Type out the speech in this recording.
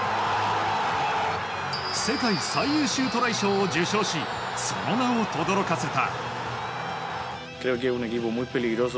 世界最優秀トライ賞を受賞しその名をとどろかせた。